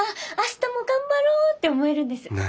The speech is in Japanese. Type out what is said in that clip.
明日も頑張ろう」って思えるんです。